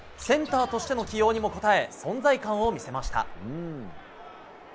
センターとしての起用にも応え存在感を見せました。